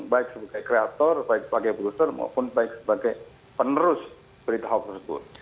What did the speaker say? baik sebagai kreator baik sebagai broser maupun baik sebagai penerus berita hoax tersebut